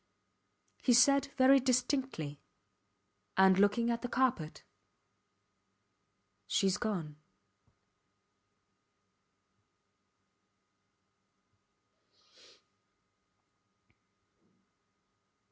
He said very distinctly, and looking at the carpet, Shes gone.